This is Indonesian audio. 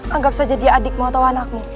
anggap saja dia adikmu atau anakmu